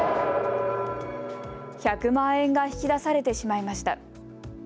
１００万円が引き出されてしまいました。